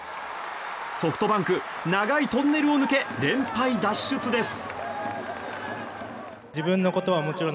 ソフトバンク長いトンネルを抜け連敗脱出です。